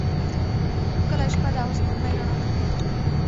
ښکلی شپه ده او سپوږمۍ رڼا کوي.